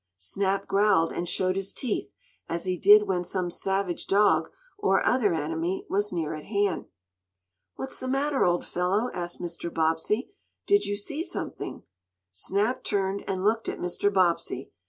Snap growled, and showed his teeth, as he did when some savage dog, or other enemy, was near at hand. "What's the matter, old fellow?" asked Mr. Bobbsey. "Do you see something?" Snap turned and looked at Mr. Bobbsey.